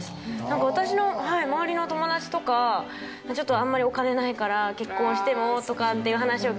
なんか私の周りの友達とかちょっとあんまりお金ないから結婚してもとかっていう話を聞くんですよ。